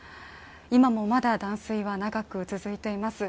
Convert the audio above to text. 今もまだ断水は長く続いています。